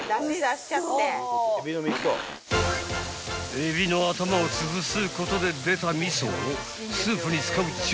［海老の頭をつぶすことで出たミソをスープに使うっちゅう］